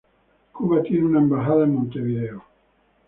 Cuba tiene una embajada Montevideo.